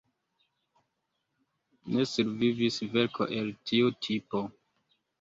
Ne survivis verko el tiu tipo.